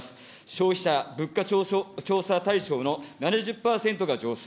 消費者物価対象の７０％が上昇。